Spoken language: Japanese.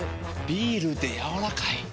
ビールでやわらかい。